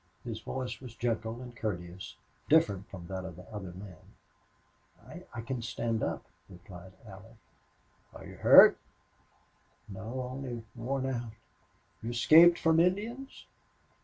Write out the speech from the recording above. His voice was gentle and courteous, different from that of the other men. "I can't stand up," replied Allie. "Are you hurt?" "No only worn out." "You escaped from Indians?"